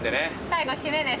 最後締めですか。